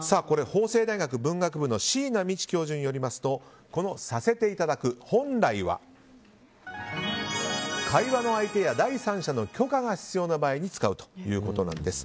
法政大学文学部の椎名美智教授によると「させていただく」、本来は会話の相手や第三者の許可が必要な場合に使うということです。